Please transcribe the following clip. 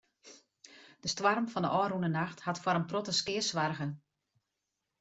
De stoarm fan de ôfrûne nacht hat foar in protte skea soarge.